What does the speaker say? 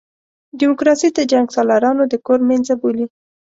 ډیموکراسي د جنګسالارانو د کور مېنځه بولي.